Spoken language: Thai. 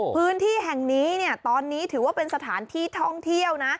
พื้นที่แห่งนี้ตอนนี้ถือว่าเป็นสถานที่ท่องเที่ยวนะ